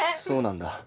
そうなんだ。